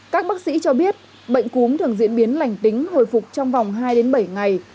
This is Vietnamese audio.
các bác sĩ cho biết bệnh cúm thường diễn biến lành tính hồi phục trong vòng hai bảy ngày